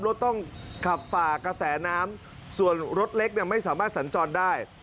รถต้องขับฝ่ากระแสน้ำส่วนรถเล็กเนี่ยไม่สามารถสัญจรได้